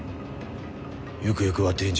ゆくゆくは天竺。